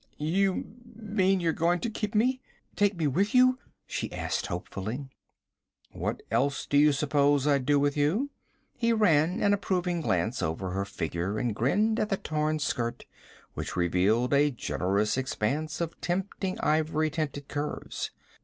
'You mean you're going to keep me? Take me with you?' she asked hopefully. 'What else do you suppose I'd do with you?' He ran an approving glance over her figure and grinned at the torn skirt which revealed a generous expanse of tempting ivory tinted curves.